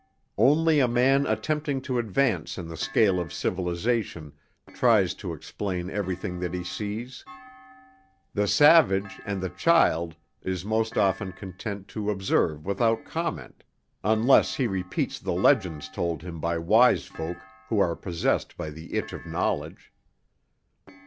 Only a man attempting to advance in the scale of civilization tries to explain everything that he sees. The savage and the child is most often content to observe without comment, unless he repeats the legends told him by wise folk who are possessed by the itch of knowledge.